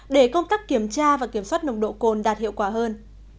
để công tác kiểm tra và kiểm soát nồng độ cồn đạt hiệu quả hơn